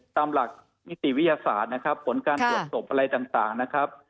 ตามหลักนิติวิทยาศาสตร์นะครับผลการตรวจศพอะไรต่างนะครับ